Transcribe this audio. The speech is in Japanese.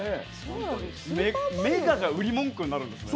「メガ」が売り文句になるんですね。